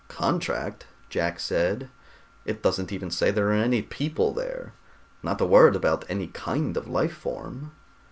"Contract!" Jack said. "It doesn't even say there are any people there. Not a word about any kind of life form."